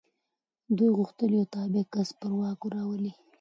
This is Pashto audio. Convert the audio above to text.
دوی غوښتل یو تابع کس پر واک راولي.